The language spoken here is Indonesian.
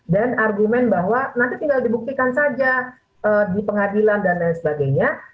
dan argumen bahwa nanti tinggal dibuktikan saja di pengadilan dan lain sebagainya